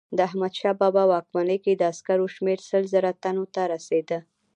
د احمدشاه بابا په واکمنۍ کې د عسکرو شمیر سل زره تنو ته رسېده.